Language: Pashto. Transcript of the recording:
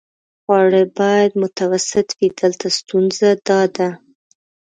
خواړه باید متوسط وي، دلته ستونزه داده.